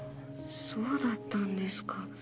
そうだったんですか。